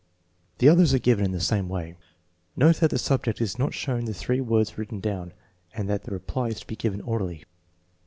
99 The others are given in the same way. Note that the subject is not shown the three words written down, and that the reply is to be given orally.